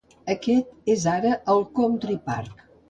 Aquest és ara el Country Park.